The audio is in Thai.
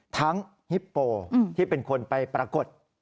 ฮิปโปที่เป็นคนไปปรากฏ